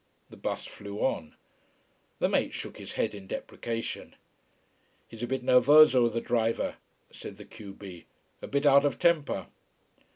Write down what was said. The bus flew on. The mate shook his head in deprecation. "He's a bit nervoso, the driver," said the q b. "A bit out of temper!"